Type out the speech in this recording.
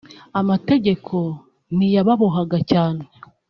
amategeko ntiyababohaga cyane